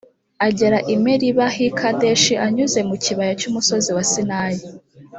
agera i meriba h’i kadeshi anyuze mukibaya cy’umusozi wa sinayi.